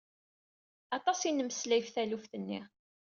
Aṭas i nmeslay ɣef taluft-nni.